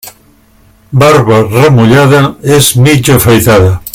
Barba remullada, és mig afaitada.